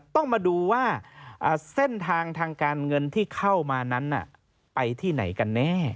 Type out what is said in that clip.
ต้องมาดูว่าเส้นทางทางการเงินที่เข้ามานั้นไปที่ไหนกันแน่